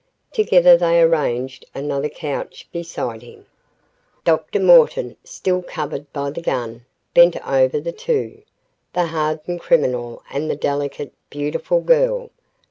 Together they arranged another couch beside him. Dr. Morton, still covered by the gun, bent over the two, the hardened criminal and the delicate, beautiful girl.